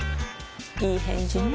いい返事ね